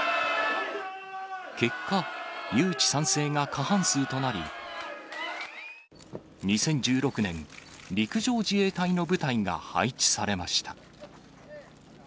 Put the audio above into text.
結果、誘致賛成が過半数となり、２０１６年、陸上自衛隊の部隊が配置されました。